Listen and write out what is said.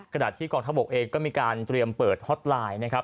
ขณะที่กองทบกเองก็มีการเตรียมเปิดฮอตไลน์นะครับ